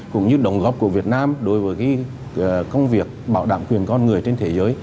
cũng như đồng góp của việt nam đối với công việc bảo đảm quyền con người trên thế giới